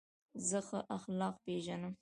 زه ښه اخلاق پېژنم.